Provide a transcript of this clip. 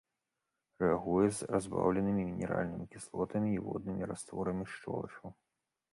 Рэагуе з разбаўленымі мінеральнымі кіслотамі і воднымі растворамі шчолачаў.